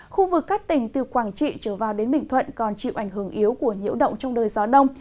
khu vực các tỉnh từ quảng trị trở vào đến bình thuận còn chịu ảnh hưởng yếu của nhiễu động trong đời gió đông